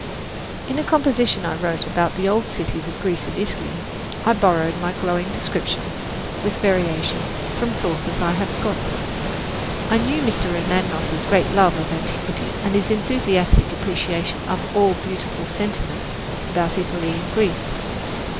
In a composition which I wrote about the old cities of Greece and Italy, I borrowed my glowing descriptions, with variations, from sources I have forgotten. I knew Mr. Anagnos's great love of antiquity and his enthusiastic appreciation of all beautiful sentiments about Italy and Greece.